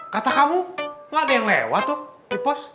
kata kamu gak ada yang lewat tuh di pos